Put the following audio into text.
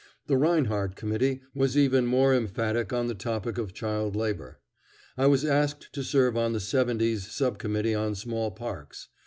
The Reinhardt Committee was even more emphatic on the topic of child labor. I was asked to serve on the Seventy's sub committee on Small Parks.